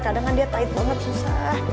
kadang kan dia pahit banget susah